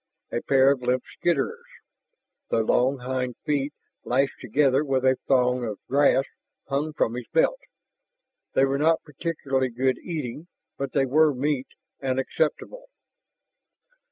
A pair of limp skitterers, their long hind feet lashed together with a thong of grass, hung from his belt. They were not particularly good eating, but they were meat and acceptable.